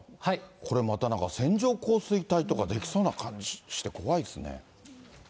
これまたなんか線状降水帯とか出来そうな感じして怖いですね。